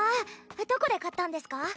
どこで買ったんですか？